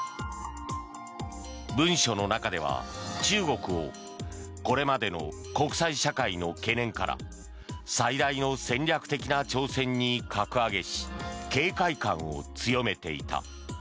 文書の中では中国をこれまでの国際社会の懸念から最大の戦略的な挑戦に格上げし警戒感を強めていた。